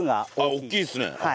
大きいですね。